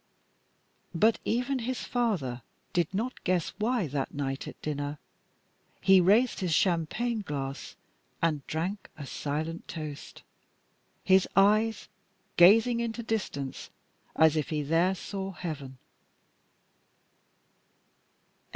But even his father did not guess why that night at dinner he raised his champagne glass and drank a silent toast his eyes gazing into distance as if he there saw heaven.